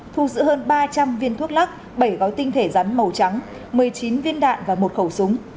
thu giữ hơn ba trăm linh viên thuốc lắc bảy gói tinh thể rắn màu trắng một mươi chín viên đạn và một khẩu súng